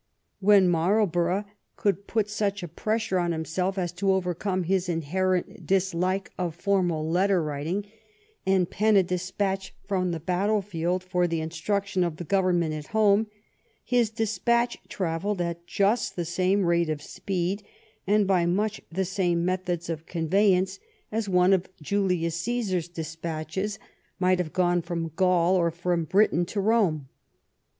When Marlborough could put such a pressure on himself as to overcome his inherent dislike of formal letter writing, and pen a despatch from the battle field for the instruction of the government at home, his de spatch travelled at just the same rate of speed and by much the same methods of conveyance as one of Julius 179 THE REIGN OF QUEEN ANNE Csesar's despatches might have done from Gaul or from Britain to Borne.